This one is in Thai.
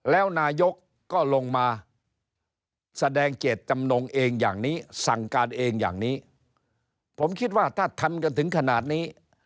ถ้าทำกันถึงขนาดนี้